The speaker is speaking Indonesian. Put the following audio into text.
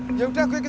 iya tis kenapa